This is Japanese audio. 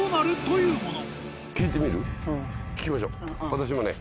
私もね